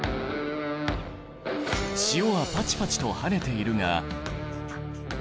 塩はパチパチとはねているが。